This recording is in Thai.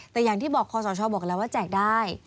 แต่อย่างที่บอกคอสชบอกแล้วว่าแจกได้